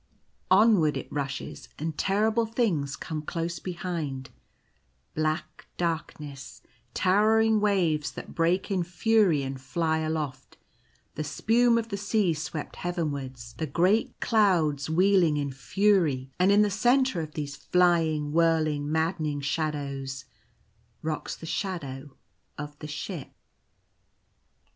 Onwards it rushes, and terrible things come close behind; black darkness — towering waves that break in fury and fly aloft — the spume of the sea swept heaven wards — the great clouds wheeling in fury ;— and in the centre of these flying, whirling, maddening shadows, rocks the shadow of the ship.